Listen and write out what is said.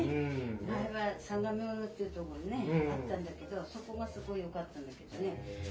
前は相模大野っていうとこにねあったんだけどそこがすごいよかったんだけどね。